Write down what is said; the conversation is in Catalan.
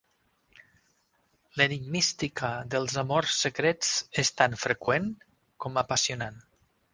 L'enigmística dels amors secrets és tan freqüent com apassionant.